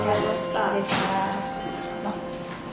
失礼します。